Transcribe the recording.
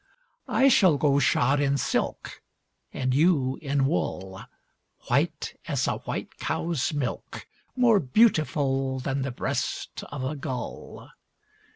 I shall go shod in silk, And you in wool, White as a white cow's milk, More beautiful Than the breast of a gull.